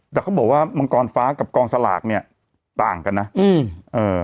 แต่เขาบอกว่ามังกรฟ้ากับกองสลากเนี้ยต่างกันนะอืมเอ่อ